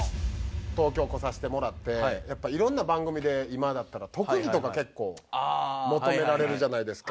東京来させてもらってやっぱり色んな番組で今だったら特技とか結構求められるじゃないですか。